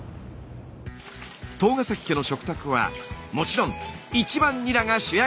東ヶ崎家の食卓はもちろん１番ニラが主役。